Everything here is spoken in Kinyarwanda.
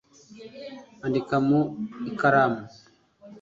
Andika mu ikaramu